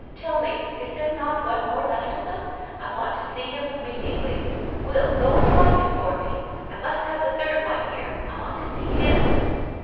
Tell me, is there not one more left of them? I want to see him immediately! Will, go and find him for me! We must have the third one here I want to see him."